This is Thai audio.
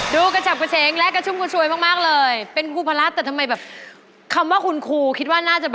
ดูกระจำกระเชงและกระชุดช่วยมากเลยเป็นผู้พลังแต่ทำไมแบบคำว่าคุณครูคิดว่าน่าจะแบบ